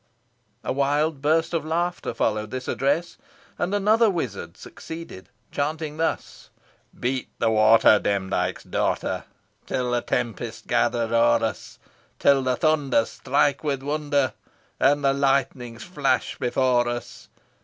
A wild burst of laughter followed this address, and another wizard succeeded, chanting thus: "Beat the water, Demdike's daughter! Till the tempest gather o'er us; Till the thunder strike with wonder And the lightnings flash before us!